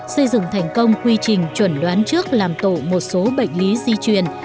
xây dựng thành công quy trình chuẩn đoán trước làm tổ một số bệnh lý di truyền